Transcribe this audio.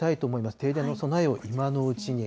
停電の備えを今のうちに。